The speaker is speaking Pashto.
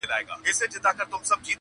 ستا د زهرې پلوشې وتخنوم!!